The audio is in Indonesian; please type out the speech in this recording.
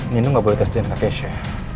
nino gak boleh tes dna kekeisha